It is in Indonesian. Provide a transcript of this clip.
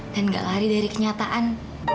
dan gak lari dari kenyataan